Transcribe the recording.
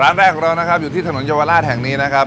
ร้านแรกของเรานะครับอยู่ที่ถนนเยาวราชแห่งนี้นะครับ